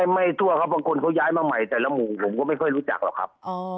ทั่วครับบางคนเขาย้ายมาใหม่แต่ละหมู่ผมก็ไม่ค่อยรู้จักหรอกครับ